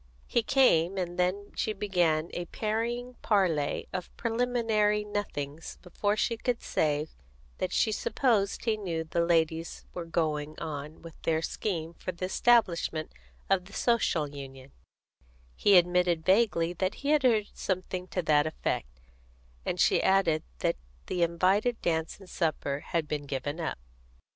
He came, and then she began a parrying parley of preliminary nothings before she could say that she supposed he knew the ladies were going on with their scheme for the establishment of the Social Union; he admitted vaguely that he had heard something to that effect, and she added that the invited dance and supper had been given up.